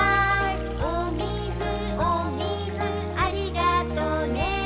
「おみずおみずありがとね」